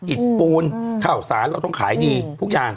ปูนข้าวสารเราต้องขายดีทุกอย่าง